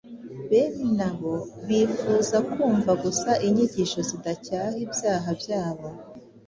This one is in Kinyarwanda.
Bene abo bifuza kumva gusa inyigisho zidacyaha ibyaha byabo